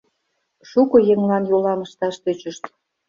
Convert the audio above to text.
Шуко еҥлан йолам ышташ тӧчышт.